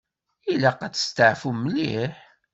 Ilaq ad testeɛfum mliḥ.